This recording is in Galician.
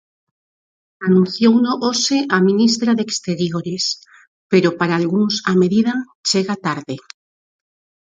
Anunciouno hoxe a ministra de Exteriores, pero para algúns a medida chega tarde.